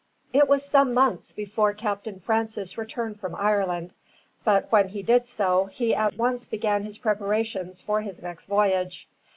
It was some months before Captain Francis returned from Ireland, but when he did so, he at once began his preparations for his next voyage.